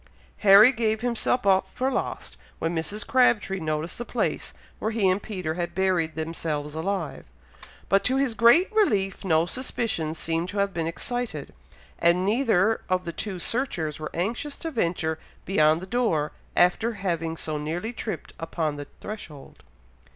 Harry gave himself up for lost when Mrs. Crabtree noticed the place where he and Peter had buried themselves alive; but to his great relief, no suspicion seemed to have been excited, and neither of the two searchers were anxious to venture beyond the door, after having so nearly tripped upon the threshold.